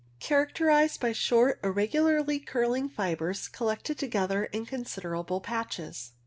Characterized by short irregularly curling fibres collected together in considerable patches.